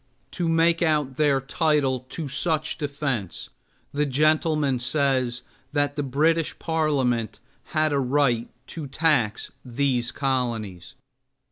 To make out their title to such defense the gentleman says that the British Parliament had a right to tax these colonies.